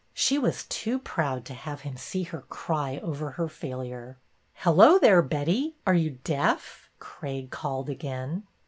She was too proud to have him see her cry over her failure. Hello, there, Betty! Are you deaf? " Craig called again.